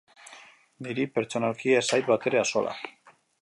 Niri, pertsonalki, ez zait batere axola.